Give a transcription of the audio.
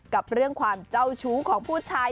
กับเรื่องความเจ้าชู้ของผู้ชาย